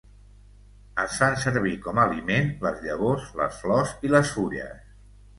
Es fan servir com aliment les llavors, les flors i les fulles.